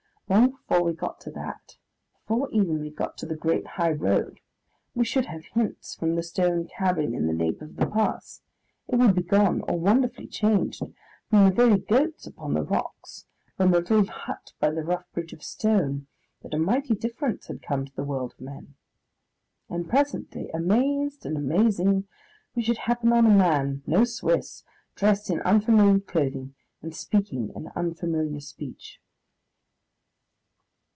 Long before we got to that, before even we got to the great high road, we should have hints from the stone cabin in the nape of the pass it would be gone or wonderfully changed from the very goats upon the rocks, from the little hut by the rough bridge of stone, that a mighty difference had come to the world of men. And presently, amazed and amazing, we should happen on a man no Swiss dressed in unfamiliar clothing and speaking an unfamiliar speech....